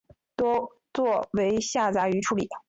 多做为下杂鱼处理。